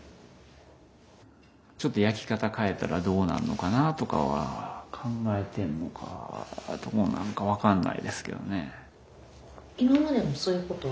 ちょっと焼き方変えたらどうなるのかなとかは考えてんのかはどうなのか分かんないですけどね。